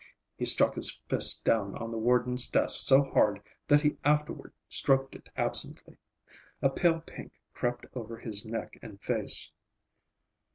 He struck his fist down on the warden's desk so hard that he afterward stroked it absently. A pale pink crept over his neck and face.